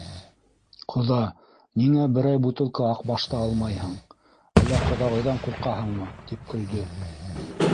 — Ҡоҙа, ниңә берәй бутылка аҡбашты алмайһың, әллә ҡоҙағыйҙан ҡурҡаһыңмы? — тип көлдө.